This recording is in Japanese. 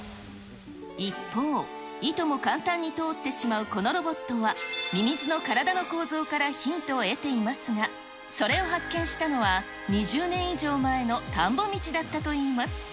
一方、いとも簡単に通ってしまうこのロボットは、ミミズの体の構造からヒントを得ていますが、それを発見したのは２０年以上前の田んぼ道だったといいます。